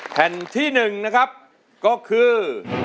แผ่นที่๑นะครับก็คือ